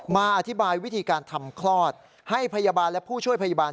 มาอธิบายวิธีการทำคลอดให้พยาบาลและผู้ช่วยพยาบาล